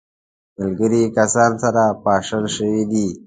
ملګري کسان سره پاشل سوي دي.